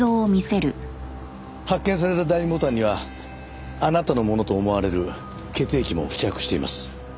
発見された第２ボタンにはあなたのものと思われる血液も付着しています。